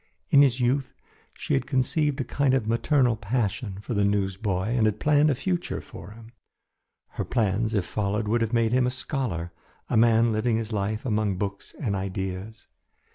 In his youth she had conceived a kind of maternal passion for the newsboy and had planned a future for him. Her plans if followed would have made him a scholar, a man living his life among books and ideas.